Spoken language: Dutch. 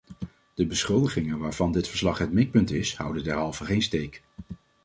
De beschuldigingen waarvan dit verslag het mikpunt is, houden derhalve geen steek.